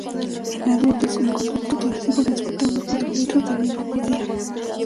En adultos, el conducto torácico transporta unos cuatro litros de linfa por día.